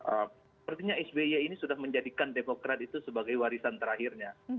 artinya sby ini sudah menjadikan demokrat itu sebagai warisan terakhirnya